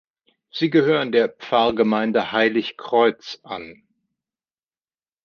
Sie gehören der Pfarrgemeinde „Heilig Kreuz“ an.